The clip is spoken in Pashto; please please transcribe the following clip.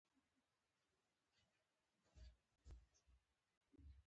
عثمان جان پاچا چای په خوند خوند وڅښه.